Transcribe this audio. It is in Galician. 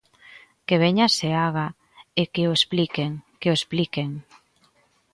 Que veña Seaga e que o expliquen, que o expliquen.